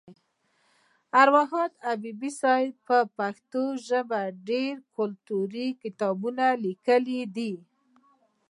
اروا ښاد حبیبي صاحب په پښتو ژبه ډېر ګټور کتابونه لیکلي دي.